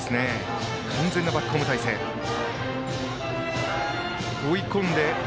完全なバックホーム態勢です。